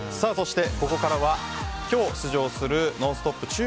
そして、ここからは今日出場する「ノンストップ！」